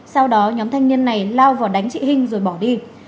sau đó nhóm thanh niên này lao vào đánh chị hinh rồi bỏ đi